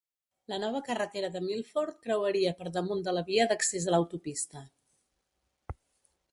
La nova carretera de Milford creuaria per damunt de la via d'accés a l'autopista.